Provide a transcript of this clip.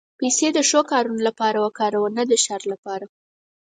پېسې د ښو کارونو لپاره وکاروه، نه د شر لپاره.